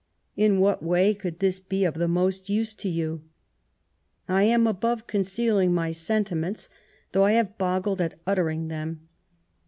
In what way could this be of the most use to you ? I am above concealing my sentiments, though I have boggled at uttering them.